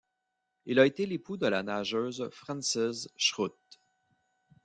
Il a été l'époux de la nageuse Frances Schroth.